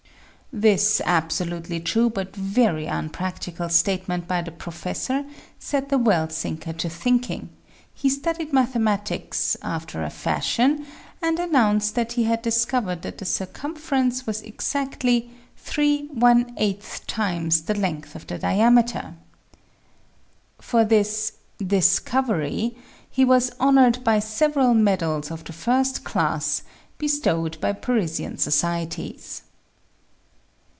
This absolutely true but very unpractical statement by the pro fessor, set the well sinker to thinking ; he studied mathe matics after a fashion, and announced that he had discovered that the circumference was exactly 3! times the length of the diameter ! For this discovery (?) he was honored by several medals of the first class, bestowed by Parisian societies.